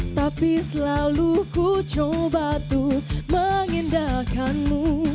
tapi selalu ku coba tuh mengindahkanmu